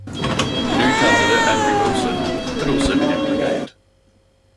The new candidate, Henry Wilson, had also been implicated.